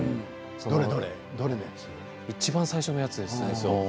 いちばん最初のやつです。